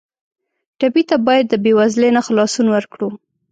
ټپي ته باید د بېوزلۍ نه خلاصون ورکړو.